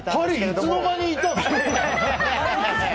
ハリー、いつの間にいたの？